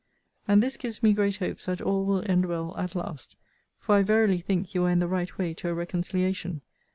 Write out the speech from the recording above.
And this gives me great hopes that all will end well at last: for I verily think you are in the right way to a reconciliation.